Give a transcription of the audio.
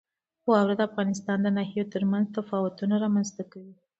واوره د افغانستان د ناحیو ترمنځ تفاوتونه رامنځ ته کوي.